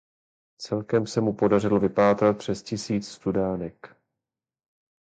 Celkem se mu podařilo vypátrat přes tisíc studánek.